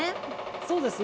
そうですね。